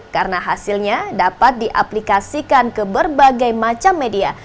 karena hasilnya dapat diaplikasikan ke berbagai macam media